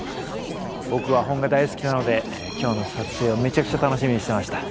僕は本が大好きなので今日の撮影をめちゃくちゃ楽しみにしてました。